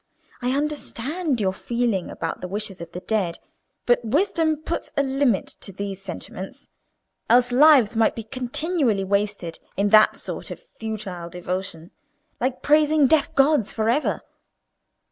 I understand your feeling about the wishes of the dead; but wisdom puts a limit to these sentiments, else lives might be continually wasted in that sort of futile devotion—like praising deaf gods for ever.